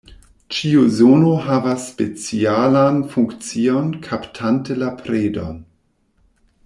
Ĉiu zono havas specialan funkcion kaptante la predon.